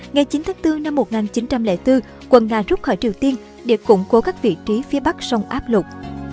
ngày chín tháng bốn năm một nghìn chín trăm linh bốn quân nga rút khỏi triều tiên để củng cố các vị trí phía bắc sông áp lục